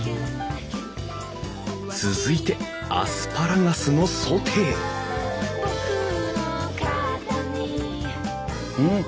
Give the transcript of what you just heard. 続いてアスパラガスのソテーうん！